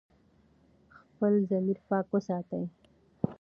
خپل ضمیر پاک وساتئ.